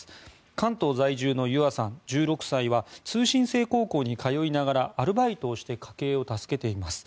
関東在住のゆあさん、１６歳は通信制高校に通いながらアルバイトをして家計を助けています。